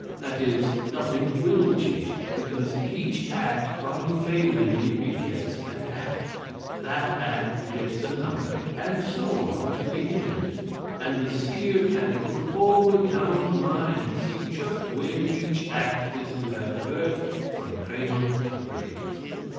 That is, nothing will change it, because each act unfailingly begets an act, that act begets another, and so on to the end, and the seer can look forward down the line and see just when each act is to have birth, from cradle to grave."